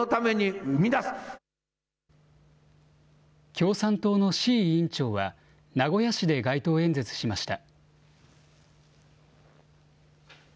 共産党の志位委員長は、名古屋市で街頭演説しました。